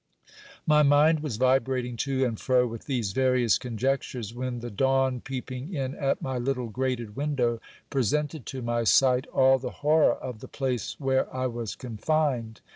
My mind was vibrating to and fro with these various conjectures, when the dawn peeping in at my little grated window, presented to my sight all the hor ror of the place where I was confined.